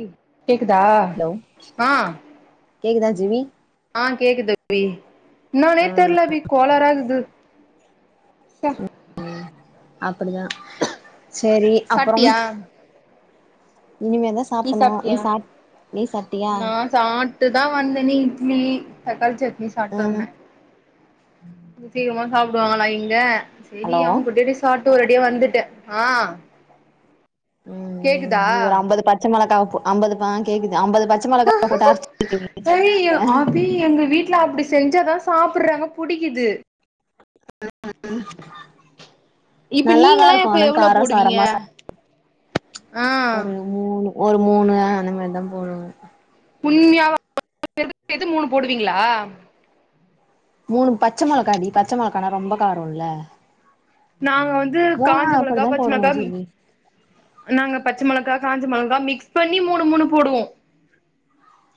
எய் கேக்குதா ஆ கேக்குதான் ஜிவி ஆ கேக்குது [inaudible] வி என்னனே தெர்ல வி கோளாறு இருந்து ச்சே அப்படியா சேரி அப்றம் சாப்ட்டியா நீ சாப்டியா சாப் நீ சாப்ட்டியா நான் சாப் இட்டுதா வந்த நீ இட்லி தக்காளி சட்னி சாப்ட்டு ம் வந்தேன் சீக்கிரமா சாப்பிடுவாங்ளா இங்க செரி ஹலோ அவுங்க கூடடி சா ட்டு ஒரேடியா வந்துட்டே ஆ ம் ம் கேக்குதா நீ ஒரு அம்பது பச்ச மிளகா போ அம்பது ஆ கேக்குது அம்பது பச்ச மிளகா போட்டா [inaudible] ஐயோ சட்னில அபி எங்க வீட்ல அப்டி செஞ்சாதா சாப்பிடுறாங்க புடிக்குது இப்ப நல்லாதா நீங்களா இருக்கு இப்ப ஆனா எவ்ளோ கார போடுவீங்க சாரமா ஆ ஒரு மூணு ஒரு மூணு அந்த மாதிரிதான் போடுவ புள்யா [inaudible] எது மூணு போடுவீங்ளா மூணு பச்ச மொளகாடி பச்ச மொளகானா ரொம்ப காரோல்ல நாங்க வந்து காஞ்ச மிளகா, பச்ச போடுவோ மிளகா ஜிவி நாங்க பச்ச மிளகா, காஞ்ச மிளகா மிக்ஸ் பண்ணி மூணு மூணு போடுவோ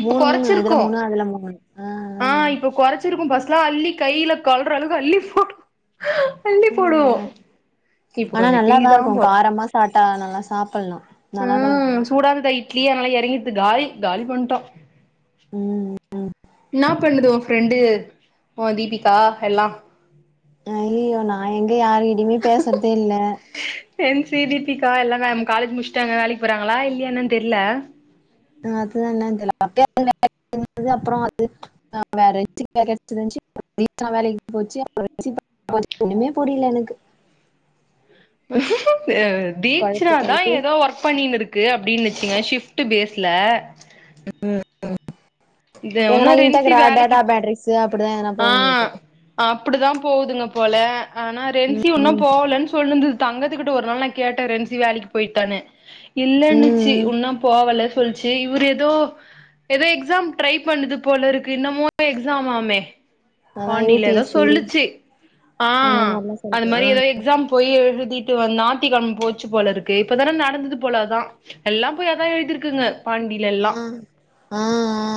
இப்ப மூணு மூணு இதுல கொறச்சிருக்கோ மூணு அதுல மூணு ஆ இப்ப கொறச்சிருக்கோ ஃபஸ் ட் எல்லா அள்ளி கைல கொல்ற அளவுக்கு அள்ளி போ ம் நா ஆனா கொஞ்ச நல்லாதா கிள்ளிதா இருக்கு போறோ காரமா சாப்ட்டா நல்லா சாப்பில்லா நல்லாதா இருக்கு கெட் காலி காலி பண்ட்டோ ம் ம் என்னா பண்ணுது உன் ஃப்ரெண்டு உன் தீபிகா எல்லா அ இல்லயோ நா எங்க யாருகிட்டயுமே பேசறதே இல்ல என் சி தீபிகா எல்லா காலேஜ் முச்சிட்டாங்க வேலைக்கு போறாங்ளா இல்லையா என்னனு தெர்ல அ அதுதான் [inaudible] [inaudible] [unintelligible] ஒண்ணுமே புரில எனக்கு [inaudible] கொழப்பி தீக்ஷ்றாதா கொழப்பி எதோ ஒர்க் பண்ணிருந் க்கு அப்டின்னுச்சுங்க ஷிஃப்ட் பேஸ்ல ம் ம் இது எதனா ஒன்னு ரென்சி இன்டகரா டேட்டா வேலைக்கு பேட்டரீஸ் அப்டிதா எதனா ஆ போயினு இருக்கு அப்டிதா போகுதுங் போல ஆனா ம் ரென்சி இன்னு போகலன்னு சொல்லுந்துது தங்கத்துகிட்ட ஒரு நாள் நா கேட்டேன் ரென்சி வேலைக்கு போய்ட்டானு ம் இல்லன்னுச்சு ம் இன்னு போவல சொல்ச்சு இவுர் எதோ எதோ எக்ஸாம் ட்ரை பண்ணுது போலருக்கு என்னமோ எக்ஸாமாமே அதா யூ பாண்டில பி எதோ எஸ் சி சொல்லுச்சி ஆ அந்த மாரிலா அது சொல்லுங்க மாரி ஆ எதோ எக்ஸாம் போய் எழுதுடி ட்டு வந் நாட்டிகம் போச்சு போலருக்கு இப்பதானே நடந்தது போல அதா எல்லா போய் அதா எழுதிருக்குங்க பாண்டில எல்லா ஆ ஆ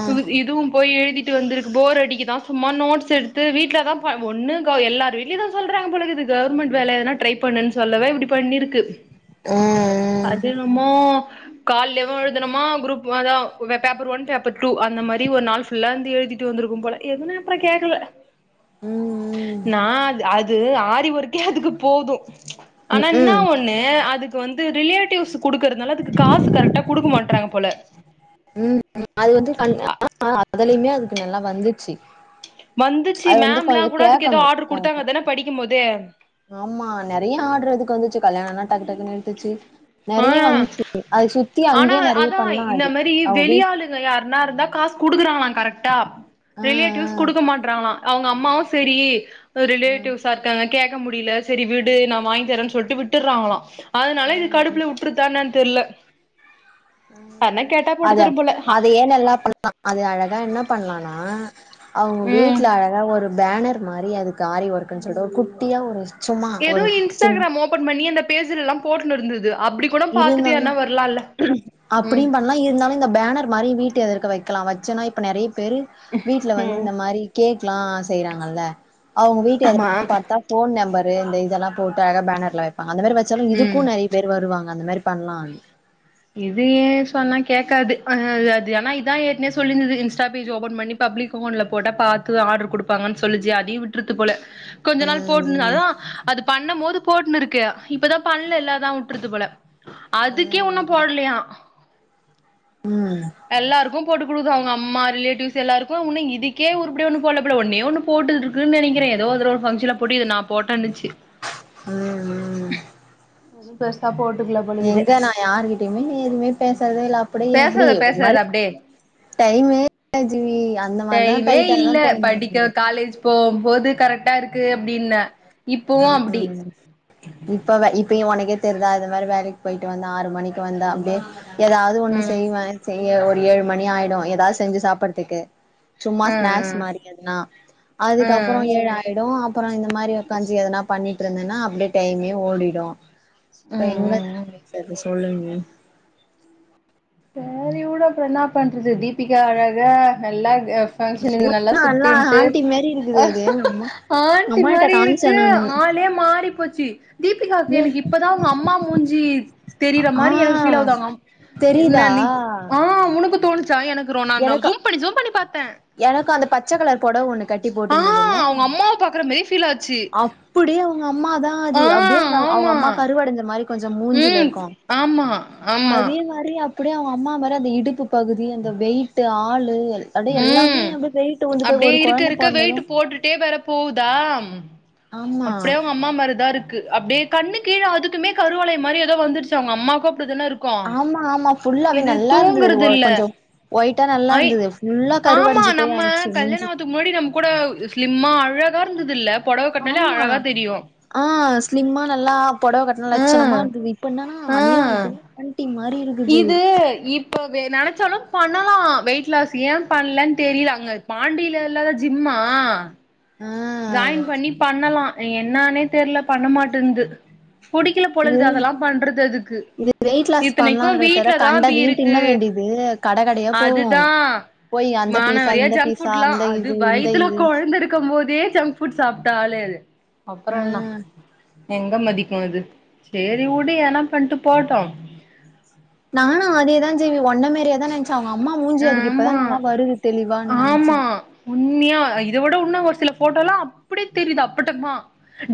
து இதுவு போய் எழுதிட்டு வந்திருக்கு போர் அடிக்குதா சும்மா நோட்ஸ் எடுத்து வீட்லதா ப ஒண்ணு க எல்லாரு வீட்ல இதா சொல்றாங்க போலக்குது கவர்மெண்ட் வேல எதனா ட்ரை பண் பண்ணுன் சொல்லவே இப்டி பண்ணிருக்கு ஆ ஆ அதுன்னமோ கால்லவு எழுதனமா குரூப் அதா பேப்பர் ஒன் பேர் டூ அந்த மாரி ஒரு நாள் ஃபுல்லாந்து எழுதிட்டு வந்துருக் ருக்கும் போல எதுன அப்றோ கேக்கல ஆ ம் நா அத் அது அ ஆரிவொர்க்கே அதுக்கு போது ஆனா ம் ம் என்ன ம் ஒன்னு அதுக் வந்து ரிலேட்டிவ்ஸ் குடுக்கறதுனால அதுக்கு காசு கரெக்டா குடுக்க மாட்றாங்க போல ம் ம் அது வந்து தனியா ஆனா அதுலயுமே அதுக்கு நல்லா வந்திச்சி வந்துச்சி மேம்லா கூட அதுக்கு எதோ ஆடர் கரெக்டா குடுத்தாங்கதானே படிக்குமோதே ஆமா நெறய ஆடர் அதுக்கு வந்துச்சு கல்யாணனா டக்கு டக்கு எடுத்துச்சு ஆ நெறைய வந்துச்சு அது சுத்தி ஆனா அங்கேயே நெறைய அதா பண்ணா இந்த அது மாரி அவ வீட் வெளியாளுங்க யாருனா இருந்தா காஸ் குடுக்குறாங்களா கரெக்டா ஆ ரிலேட்டிவ்ஸ் குடுக்க மாட்றாங்களா அவுங்கம்மாவு செரி பு ஆ ஆ ரிலேட்டிவ்ஸா இருக்காங்க கேக்க முடில செரி விடு நா வாங்கி தரேன் சொல்லிட்டு விட்டுறாங்களா ஆ அதனால இது கடுப்புல வுட்டுருச்சா என்னன் தெர்ல யார்னா கேட்டா போட்டு அத தரும் போல ஆ அதேயே நல்லா பண்லா அது அழகா என்ன பண்லானா அவுங்க ம் வீட்ல அழகா ஒரு பேனர் மாரி அதுக்கு ஆரி ஒர்க்குன்னு சொல்ட்டு ஒரு குட்டியா ஒரு சும்மா எதோ ஒரு சின் இன்ஸ்டாகிராம் ஓபன் பண்ணி அந்த பேஜ்லலெல்லா போட்டுணுருந்துது இருந்தாலு ம் அப்டியு பண்லா இருந்தாலு இந்த பேனர் மாரி வீட்டு எதிர்க்க வக் க்லா வச்சென்னா இப்ப நெறய பேரு வீட்ல வந்து ம் இந் மாரி கேக்லா செய்றாங்கல்ல அவுங்க வீட்டு எதிர்க் ஆமா பாத்தா ஃபோன் நம்பரு இந்த இதெல்லா போட்டு அழகா பேனர்ல ஆ அந்த மாரி வச்சாலு ம் இதுக்கு நெறய பேரு வருவாங்க அந்த மாரி பண்லான் இது சொன்னா கேக்காது அதுனால ஆனா இதா ஏக்னவே சொல்லிடின்து இன்ஸ்டா பேஜ் ஓபன் பண்ணி பாக் பப்ளிக் மோட்ல போட்டா பாத்து ஆடுர் குடுப்பாங்கன் சொல்லுச்சி அதையு விட்ருக்கு போல கொஞ்ச நாள் போட்டுன் ம் அதா அது பண்ணமோது போட்டுனுருக்கு இப்பதா பண்ணலல்லாதா உட்ருக்கு போல அதுக்கே ஒன்னு ம் போட்லயா ம் எல்லாருக்கும் போட்டு குடுக்து அவுங்கம்மா ரிலேட்டிவ்ஸ் எல்லாருக்கு உன்னு இதுக்கே உறுபடியா ஒன்னு போட்ல போல ஒன்னே ஒன்னு போட்டுருக்குன் நெனைக்கறே எதோ ஒருதடவ ஒரு ஃபங்க்ஷன்ல போட்டு இது நா போட்டன்னுச்சு ம் ம் ப்ளஸ் சப்போட் எங்க நா யார்கிட்டயுமே எதுமே பேசுறதேல்ல அப்டி எப்டி பேசாத ஒரு பேசாத மார் அப்டியே டைமே [inaudible] ஜிவி டைமே இல்ல படிக்க காலேஜ் போவ்ம்போது கரெக்டா இருக்கு அப்டீன்ன ஆ அம் இப்பவ இப்பயே ஒனக் எத் தெர்தா அது மாரி வேலைக்கு போயிட்டு வந்தா ஆறு மணிக்கு வந்தா அப்டியே எதாது ஒன்னு ம் செய்வ செய் யோ ஒரு ஏழு மணி ஆய்டு எதாது செஞ்சு சாப்பற்துக்கு சும்மா அ அ ஸ்நேக்ஸ் மாரி எதுனா அ அதுக்கப்றோ ம் ஏழு ஆய்டு அப்றோ இந்த மாரி கஞ்சி எதனா பண்ணிட்டிருந்தனா அப்டியே டைமே ஓடிடு இப்ப ம் என்ன ம் பேசற்து சொல்லு நீ சேரி வுடு அப்றோ என்னா பண்றது தீபிகா அழகா நல்லா வே ஃபங்க்ஷனிது நல்லா ஆனா சுத்தின்ட்டு ஆண்டி மாரி இருக்குது அது எங்க அம்மா ஆன்ட்டி அம்மாட்ட மாரி காமிச்சே இருக்கு நானு ஆன் லே மாறி போச் சி தீபிகாக்கு எனக்கு இப்பதா அவுங்கம்மா மூஞ்சி தெரிற ஆ மாரி எனக் ஃபீல்லாவுது அவ்ங்கம் ன்னே தெரியுதா நிக் ஆ உனக்கு தோணுச்சா எனக் ரொ நா ஜும் பண்ணி ஜும் பண்ணி பாத் எனக்கூ அந்த பச்ச கலர் பொடவ ஒன்னு கட் ட்டி ஆ போட்டுந்துதுல்ல அவங்க அம்மாவ பாக்குற மாரி ஃபீல் ஆச்சு அப்டியே அவுங்கம்மாதா அது ஆ அப்டியே நா அவ் வ ஆமா அம்மா கருவடைஞ்ச மாரி கொஞ்ச மூஞ்சுல ம் இருக்கூ ஆமா ஆமா அதே மாரி அப் அப்டியே அவங்க அம்மா மாரி அந்த இடுப்பு பகுதி அந்த வெய்ட்டு ஆளு எல் ம் அப்டியே இருக்க கொழந்த இருக்க பொறந்தது வெய்ட்டு போட்டுட்டே வேற போவுதா ஆமா அப்டியே அவங்க அம்மா மாரி தா இருக் கு அப்டியே கண்ணு கீழே அதுக்குமே கருவலைய மாரி ஏதோ வந்துருச்சு அவங்க அம்மாக்கு அப்டி தானே இருக்கு ஆமா ஆமா ஃபுல்லாவே இது நல்லா இருந்தது அது தூங்கறதில்ல கொஞ்சோ ஒயிட்டா நல்லா ஐ இருந்தது ஃபுல்லா ஆமா கருவடஞ்சு போய் நம்ம ஆயிடுச்சு கல்யாண மூஞ்சி ஆத்துக்கு முன்னாடி நம்ம கூட சிலிம்மா அழகா இருந்ததுல்ல ஆமா ஆ ஸ்லிம்மா நல்லா பொடவ கட் ஆ லட்சனமா இருந்தது இப்ப என்னன்னா அனியா இது ஆ ஆண்டி இது இப் இப்பவே நெனச்சாலு பண்ணலா வெயிட் லாஸ் ஏ பண்லேன் தெரில அங்க பாண்டில இல்லாத ஜிம்மா ஆ ஆ ஜாயின் பண்ணி பண்ணலா என்னானே தெர்ல பண்ண மாட்டேந்து புடிக்கல போல இருக்குது ம் அதெல்லா பண்றது அதுக்கு இது வெயிட் லாஸ் இத்தனைக்கு பண்ணலான்றதவிர வீட்லதா அபி கண்டதையு தின்ன இருக்கு வேண்டியது கட கடையா போவோ அதுதா போய் அந்த பீஸா மானவரியா இந்த ஜங்க் பீஸா ஃபுட்லா அந்த அது இது இந்த வயத்துல இது கொழந்த இருக்கம் போதே ஜங்க் ஃபுட்ஸ் சாப்ட்ட ஆலே அது ஆ அப்புற என்னா எங்க மதிக்கு இது சேரி வுடு ஏன்னா பண்ட்டு போட்டு நானு அதேதா செய்வே ஒன்ன மாரியே தா நா நா ஆமா தெளிவான் நெனச்சே ஆமா உண்மையா இத விட உன்னு ஒரு சில ஃபோட்டோல்ல அப்டே தெரிது அப்பட்டமா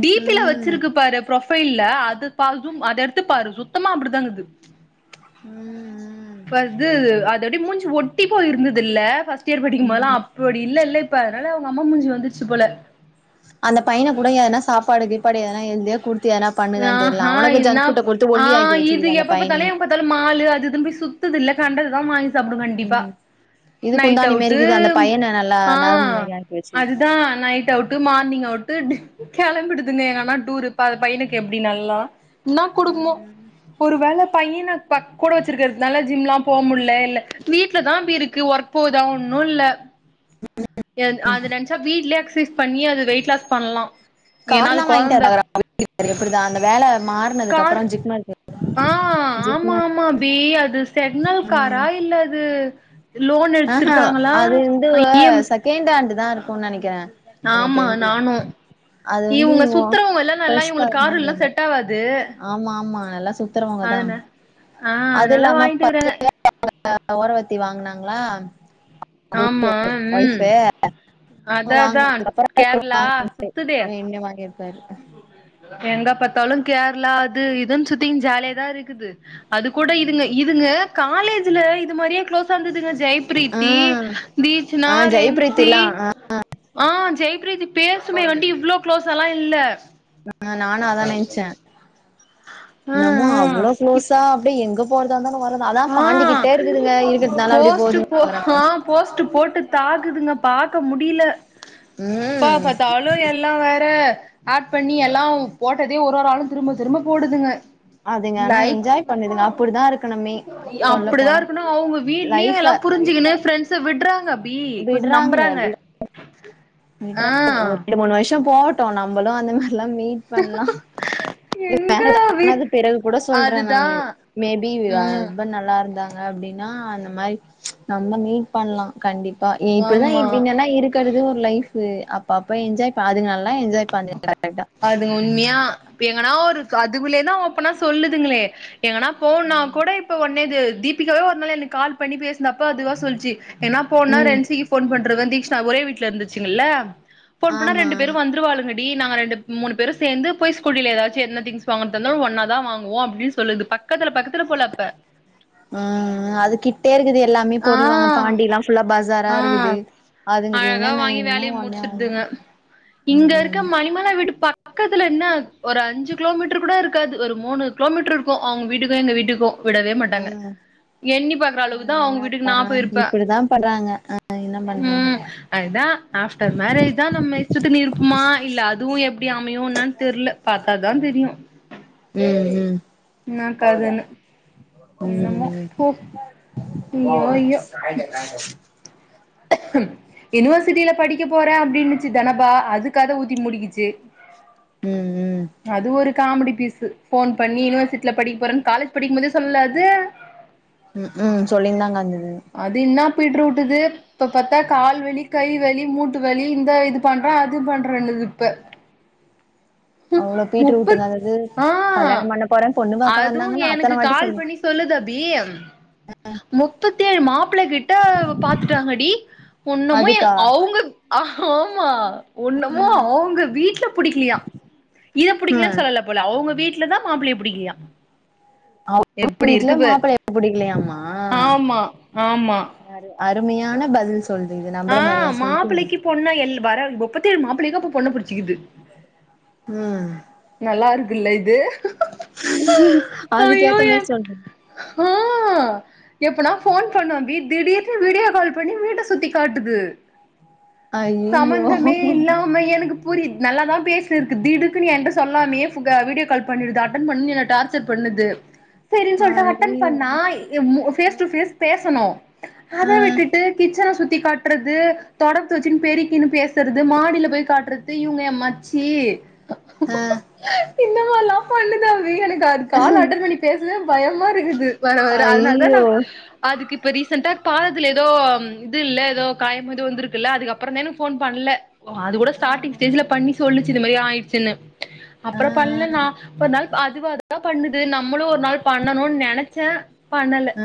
டீ பில ம் வச்சிருக்கு பாரு புரொஃபைல்ல அ து பால்சூம் அத எடுத்து பாரு சுத்தமா அப்டிதாங்குது ம் ம் ஃபஸ்து அது அது அப்டியே மூஞ்சு ஒட்டி போய் இருந்ததுல்ல ஃபர்ஸ்ட் இயர் படிக்கும் போதெல்லா ம் அப்படி இல்ல இல்ல இப் ப அதனால அவங்க அம்மா மூஞ்சி வந்துருச்சு போல அந்த பையன கூட எதனா சாப்பாடு கீப்பாடு எதனா ஹெல்தியா குடுத் ஆஹா என்னப் ஆ ஒல்லியாக்கி இது வச்சுக்குது அந்த எப்ப பாத்தாலு பையனையு எப்ப பாத்தாலு மாலு அது இதுன்னு போய் சுத் துதுல்ல கண்டதுதா வாங்கி சாப்டு கண்டிப்பா ம் இது நைட் குந்தாணி அவுட்டு மாரிக்குது அந்த பையன நல்லா ஆ நரம்பு மாரி ஆக்கி வச்சுக்குது அதுதா நைட் அவுட்டு மா னிங் அவுட்டு டு கெளம்பிடுதுனே எங்கன்னா டூரு ப பையனுக்கு எப்டி நல்லா என்னா குடுக்குமோ ஒரு வேல பையன பக் கூட வச்சிருக்கிறதுனால ஜிம்லா போ முடில இல்ல வீட்ல தா அபி இருக்கு ஒர்க் போகுதா ஒண் ணுல்ல என் அது நென்ச்சா வீட்லேயே எக்சைஸ் பண்ணி அது வெயிட் லாஸ் பண்லா கார் ஏன்னா அது எல்லா வாங்கிட்டாரு கொழந்த அவ [inaudible] எப்படிதா அந்த வேல மாறுனதுக்கு கார் அப்புற ஜிக்ன இருக்கு ஆ ஆமா ஆமா அபி அது செக்னல் ம் காரா இல்ல அது லோன் ஆஹா எடுத்திருக்காங்களா அது இந்து வ இ எம் செகேண்ட் ஹாண்டு தா இருக்குனு நெனைக்கிறே எனக்கு ஆமா தெரிஞ்சு நானு அது வந்து இவுங்க ஒ சுத்துறவங்க எல்லா நல்லா ஃப்ரெஷ் இவுங்களுக்கு கார் மாரி காரு எல்லா தெரில செட் ஆவாது ஆமா ஆமா நல்லா சு த்துரவங்க தா அதனா ஆ அது அதனால இல்லாம வாங்கிட்டுக்கறாங்க [inaudible] ல ஓரவத்தி வாங்குனாங்களா ஆமா [inaudible] ம் ஒய்ஃபு அதா அதா வாங்குனதுகப்பற [inaudible] கேரளா சுத்துதே இவ இவங்க வாங்கி இருப் எங்க பாத்தாலு கேர்ளா இது இதன் சுத்தின் ஜாலியாதா இருக்குது அது கூட இதுங்க இதுங்க காலேஜ்ல இது மாரியே குளோஸா இருந்ததுங்க ஆ ஜெயப்ரீத்தி தீட்சணா ஆ ரென்சி ஜெயபிரீத்திலா ஆ ஜெய்ப்ரீத்தி பேசுமே ஒன்டி இவ்ளோ க்ளோஸால்லா இல்ல ஆ நானு அதா நென்ச்சே ஆ என்னமோ ஆ அவ்ளோ இப் குளோஸா அப்டியே எங் க போறதா இருந்தாலு ந ஆ அப்டி போஸ்ட்டு போ போகுதுங்க ஹா போஸ்ட்டு போட்டு தாக்குதுங்கப் பாக்க முடில எப்பா ம் பத்தாலு எல்லா வேற ஆட் பண்ணி எல்லா போட்டதே ஒரு ஒரு ஆளு திரும்ப திரும்ப போடுதுங்க அதுங்க ஆனா என்ஜாய் பண்ணுதுங்க அப்புடிதான் இருக்கணும் அப்பிடிதான் இருக்கணு அவுங்க வீட்லியு லைஃப எல்லாம் புரிஞ்சிக்குனு ஃப்ரெண்ட்ஸ விட்றாங்க பி கொஞ்ச விட்றாங்க நம்பறாங்க வி விட்றாங்க ஒரு ரெண்டு மூணு வருஷம் போகட்டு நம்பளு அந்த மாரில்லாம் மீட் பண்லா எங்க மேரேஜ் அபி ஆனது பிறகு கூட சொல்றேன் அதுதா நானு மேபி ம் ஹஸ்பண்ட் நல்லா இருந்தாங்க அப்டின்னா அந் இந்த மாறி நம்ம மீட் பண்லா கண்டிப்பா இப்பிடிதா ஆமா பின்னல்லா இருக்கறது ஒரு லைஃப் ஃபு அப்ப அப்ப என்ஜாய் ப அதுங்க நல்லா என்ஜாய் பண்துங அதுங்க உண்மையா எங்கன்னா ஒரு அதுக்குள்ளயதா ஓப்பனா சொல்லுதுங்களே எங்கன்னா போவுன்னா கூட இப்ப ஒன்னேது தீபிகாவே ஒரு நாள் எனக்கு கால் பண்ணி பேசுந்தப்போ அதுவா சொல்ச்சி எங்கனா போனா ம் ரென்சிக்கு ஃபோன் பண்றுவ தீக்ஷணா ஒரே வீட்ல இருந்துச்சுங்கல்ல ஃபோன் பண்ணா ஆமா ரெண்டு பேரு வந்துருவாளுங்கடி நாங்க ரெண்டு மூணு பேரு சேந்து போய் ஸ்கூட்டில ஏதாச்சு என்ன திங்க்ஸ் வாங்கறதா இருந்தாலு ஒன்னா தா வாங்குவோ அப்டின் சொல்லுது பக் அ அதுக்கிட்டே இருக்குது எல்லாமே பொருள் வாங்க ஆ பாண்டி எல்லாம் ஃபுல்லா பஸாரா ஆ இருக்குது அதுங்களுக்கு அழகா என்னென்ன வாங்கி வேணுமோ வேலைய ஒடனே வாங்கி முட்ச்சிற்துங்க ம் இங்க இருக்க ம் மணிமலா வீட்டு பா பக்கத்துல என்ன ஒரு அஞ்சு கிலோமீட்டர் கூட இருக்காது ஒரு மூணு கிலோமீட்டர் இருக்கூ அவுங்க வீட்டுக்கூ எங்க வீட்டுக்கூ விடவே மாட்டாங்க ம் எண்ணி பாக்ற ஆ அளவுக்கு தோ அவுங்க வீட்டுக்கு என்னாத்தா நான் போயிருப்ப இப்டிதா பண்றாங்க ஆ என்ன பண்றாங்க ம் அதா ஆஃப்டர் மேரேஜ் இதான் நம்ம இஷ்டத்துக்கு இருப்பமா இல்ல அதுவு எப்டி அமையு ன்னான் தெர்ல பாத்தாதான் தெரியு ம் ம் ம் ன்னாகதுன்னு ம் என்னமோ ம் போ ஐயோ ஐயோ ம் யூனிவர்சிட்டியில படிக்க போறே அப்படின்னுச்சு தனபா அது கத ஊத்தி மூடிக்கிச்சி ம் ம் காமெடி பீஸு ஃபோன் பண்ணி யூனிவர்சிட்டில படிக்க போறேன் காலேஜ் படிக்கும் போதே சொல்லல அது ம் கூம் சொல்லிந்தாங்கடந்தது அதின்னாப் பீட்ரு வுட்டுது இப்ப பாத்தா கால்வலி கைவலி மூட்டு வலி இந்த இது பண்ற அது பண்றேனுது அதுப்ப ம் அவ்ளோ பீட்ரு வுட்டுங்க முப்பத் அதாது ஆ கல்யாணம் பண்ண போறே பொண்ணு பாக்க அதுவு வந்தாங்கன்னு எனக்கு அத்தன வாட்டி கால் சொல்லி பண்ணி சொல் சொல்லுது அபி மு முப்பேத்தேழு மாப்ள கிட்ட பாத்துட்டாங்கடி ஒன்னமு எ அதுக்கா அவுங்க அ ஹஆமா ஒண்ணமு அவுங்க வீட்ல புடிக்லயா இத பிடிக்கலன்னு ம் சொல்லல போல அவுங்க வீட்ல வீட்லதா மாப்ளைய புடிக்கிலியா அவுங்க வீட்ல மாப்ளைய புடிக்கலையாம்மா ஆமா ஆமா அருமையான பதில் சொல்றீங்க நம்புற ஆ மாரியா சொல்றீங்க மாப்ளைக்கி பொண்ண எல் வர முப்பத்தேழு மாப்ளைக்கூ அப்ப பொண்ண புடிச்சுக்குது ம் நல்லாருக்குல்ல இது அதுக்கேத்த மேறி சொல்ற ஹ எப்பனா ஃபோன் பண்ணு அபி திடீர்னு வீடியோ கால் பண்ணி வீட்ட சுத்தி காட்டுது ஐயய்யோ சம்பந்தமே இல்லாம எனக்கு புரி நல்லாதான் பேசினுருக்கு திடுக்குன்னு என்ட்ட சொல்லாமயே ஃபுக வீடியோ கால் பண்ணிருது அட்டன் பண்ணுனு என்ன டார்ச்சர் பண்ணுது செரின் சொல்ட்டு அட்டன் ஐயய்யோ பண்ணா என் மூ ஃபேஸ் டு ஃபேஸ் பேசணு அத ஆ விட்டுட்டு கிச்சன் லா சுத்தி காட்றது தொடப்த்த வெச்சுனு பெருக்கின்னு பேசறது மாடில போய் காட்றது இவுங்க என் மச்சி ஆ இ இந்த மார்ல்லா பண்ணுது அபி எனக்கு அது கால் அட்டன் பண்ணி பேசவே பயமாருகுது வர வர அதனால்தா ஐயய்யோ நாஅதுக்கு இப்ப ரீசன்ட்டா பாத் துல எதோ ம் இது இல்ல எதோ காயமோ எதோ வந்துருக்குல்ல அதுக்கப்றந்தா எனக்கு ஃபோன் பண்ல ஓ அது கூட ஆ ஸ்டாட்டிங் ஸ்டேஜ்ல ஆ பண்ணி சொல்லிச்சு இது மாதிரி ஆயிச்சினு ஆ ஆ அப்றோ பண்ண நா ஒரு நாள் அதுவா தா பண்ணுது நம்முளு ஒரு நாள் பண்ணணூன் நெனைச்ச பண்ணல ஆ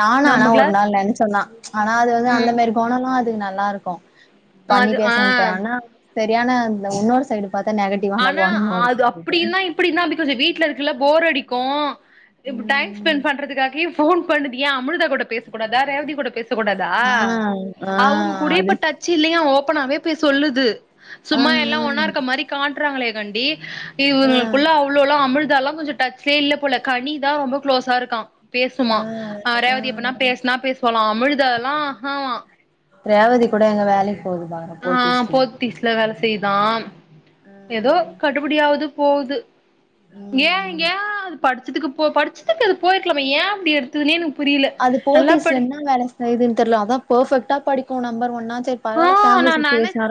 நானு ஆனா நமக்குலா ஒரு நாள் நெனச்சந்தா ஆனா அது வந்து அந்த ம் மாரி கொணோலா அதுக் நல்லாருக்கூ பண்ணி அது பேசுன்ட்டு ஆ ஆனா செரியான இன்னொரு சைடு பாத்தா நெகட்டிவான ஆனா குணமு இருக்கு அது அதுட்ட அப்டின்னா இப்டின்னா பிகாஸ் வீட்லருக் குல போர் அடிக்கூ இப்டி ம் டைம் ம் ஸ்பெண்ட் பண்றதுகாகே ஃபோன் பண்ணுது ஏ அமிழ்தாகூட பேச கூடாதா ரேவதி கூட பேஸ் ச கூடாதா ஆ ஆ அவுங்கூடே அது இப்ப டச்சில்லியா ஓபனாவே போய் சொல்லுது ஆ சும்மா எல்லா ஒன்னா இருக்கமாரி காட்டுறாங்களே கண்டி ஆ ஆ இவுங்ளுகுள்ள அவ்ளோலா அமிழ் தாலா கொஞ்ச டச்லே இல்ல போல கனிதா ரொம்ப க்ளோஸா இருக்கா ஆ பேசுமா ஆ ரேவதி எப்பனா பேசுனா பேசுவாளா அமிழ்தாலா அஹாவா ரேவதி கூட எங்க வேலைக் போகுதா போத்தீஸ்ல செய்தாம் எதோ ம் கட்டுபுடியாவுது போவுது ஏ ஏ அது படிச்சதுக்கு போ படிச்சதுக்கு அது போயிருக்லாமே ஏ அப்டி எடுத்துதுனே எனக் அது போத்தீஸ்ல என்னா வேலை செய்துன் தெர்ல அதா பெர்ஃபெக்ட்டா படிக்கூ நம்பர் ஒன்னா சேர் ஆ பரவால்ல நா ஃபேமிலி நென சிட்டுவேஷனார்